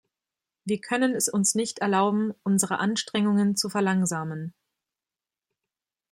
Wir können es uns nicht erlauben, unsere Anstrengungen zu verlangsamen.